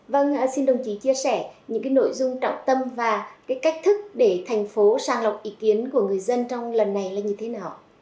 vâng xin đồng chí chia sẻ những nội dung trọng tâm và cách thức để thành phố sàng lọc ý kiến của người dân trong lần này là như thế nào